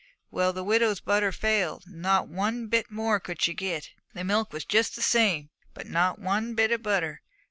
Well, the widow's butter failed. Not one bit more could she get. The milk was just the same, but not one bit of butter.